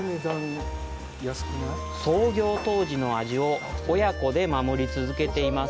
創業当時の味を親子で守り続けています。